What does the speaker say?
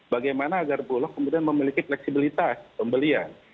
bagaimana agar bulog kemudian memiliki fleksibilitas pembelian